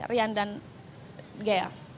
rian dan gaya